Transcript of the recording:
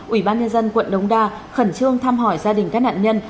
ubnd quận đống đa khẩn trương thăm hỏi gia đình các nạn nhân